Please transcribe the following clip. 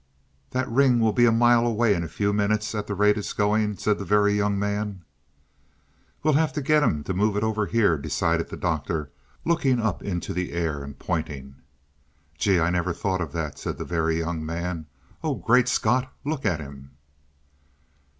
"That ring will be a mile away in a few minutes, at the rate it's going," said the Very Young Man. "We'll have to get him to move it over here," decided the Doctor, looking up into the air, and pointing. "Gee, I never thought of that!" said the Very Young Man. "Oh, great Scott, look at him!"